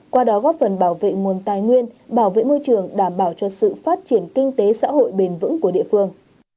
qua đó góp phần bảo vệ nguồn tài nguyên bảo vệ môi trường đảm bảo cho sự phát triển kinh tế xã hội bền vững của địa phương